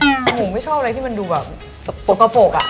หนูไม่ชอบอะไรที่มันดูสกปรกอะ